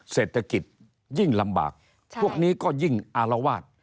เศรษฐกิจยิ่งลำบากพวกนี้ก็ยิ่งอารวาส